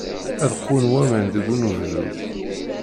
Ad qwun waman deg unebdu.